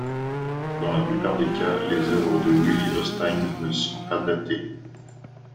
Dans la plupart des cas, les œuvres de Willy Ostijn ne sont pas datées.